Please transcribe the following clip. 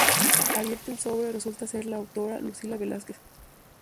Abierto el sobre, resulta ser la autora Lucila Velásquez.